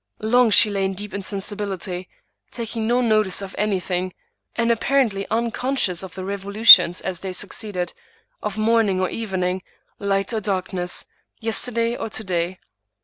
Long she lay in deep insensibility, taking no notice of anything, rarely opening her eyes, and apparently uncon scious of the revolutions, as they succeeded, of morning or evening, light or darkness, yesterday or to day.